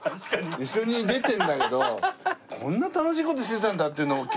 一緒に出てるんだけどこんな楽しい事してたんだっていうのを気づくから。